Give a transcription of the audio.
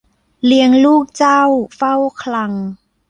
เลี้ยงลูกเจ้าเฝ้าคลัง